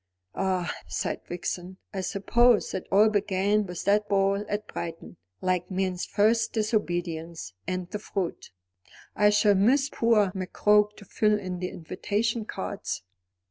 "Ah," sighed Vixen, "I suppose it all began with that ball at Brighton, like 'Man's first disobedience, and the fruit '" "I shall miss poor McCroke to fill in the invitation cards."